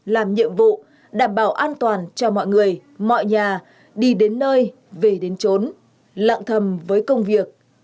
làm nhiệm vụ đảm bảo an toàn cho mọi người mọi nhà đi đến nơi về đến trốn lạng thầm với công việc